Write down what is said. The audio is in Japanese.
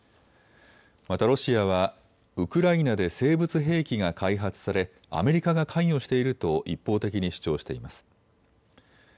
またロシアは、ウクライナで生物兵器が開発されアメリカが関与していると一方的に主張しています。